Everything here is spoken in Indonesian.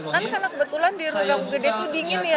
kan karena kebetulan di ruang gede itu dingin ya